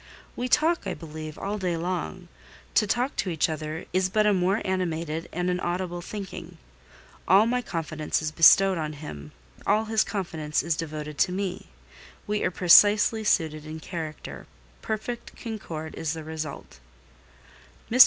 We talk, I believe, all day long: to talk to each other is but a more animated and an audible thinking. All my confidence is bestowed on him, all his confidence is devoted to me; we are precisely suited in character—perfect concord is the result. Mr.